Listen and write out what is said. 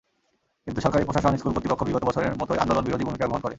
কিন্তু সরকারি প্রশাসন, স্কুল কর্তৃপক্ষ বিগত বছরের মতোই আন্দোলনবিরোধী ভূমিকা গ্রহণ করে।